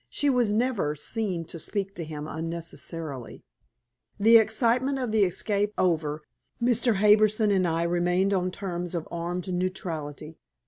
She was never seen to speak to him unnecessarily. The excitement of the escape over, Mr. Harbison and I remained on terms of armed neutrality.